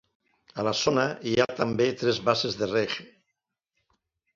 A la zona hi ha també tres basses de reg.